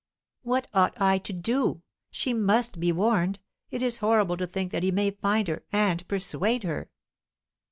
"What ought I to do? She must be warned. It is horrible to think that he may find her, and persuade her."